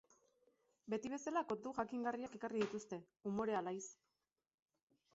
Beti bezala kontu jakingarriak ekarri dituzte, umore alaiz.